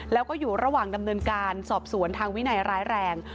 แล้วก็อยู่ระหว่างดำเนินการสอบสวนทางวินัยร้ายแรง